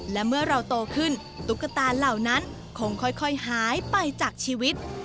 และเมื่อเราโตขึ้นตุ๊กตาเหล่านั้นคงค่อยหายไปจากชีวิต